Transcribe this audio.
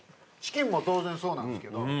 チキンも当然そうなんですけど。